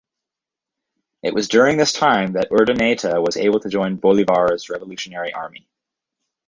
It was during this time that Urdaneta was able to join Bolivar's revolutionary army.